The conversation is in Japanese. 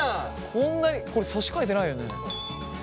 こんなにこれ差し替えてないよね？